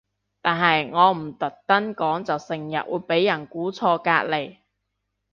但係我唔特登講就成日會俾人估錯隔離